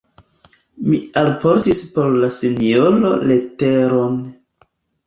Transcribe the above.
Mi alportis por la sinjoro leteron.